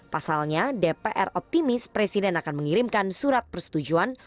pasalnya dpr optimis presiden akan mengirimkan surat persetujuan